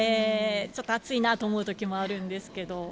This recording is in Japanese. ちょっと暑いなと思うときもあるんですけれども。